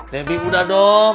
debbie udah dong